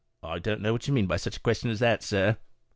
u I don't know what you mean by such a question as that, sir."